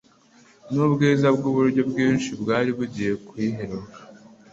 n'ubwiza bw'uburyo bwinshi bwari bugiye kuyiheruka'°."